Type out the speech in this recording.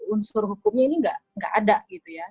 unsur hukumnya ini nggak ada gitu ya